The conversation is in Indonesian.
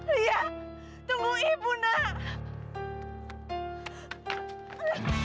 ria tunggu ibu nak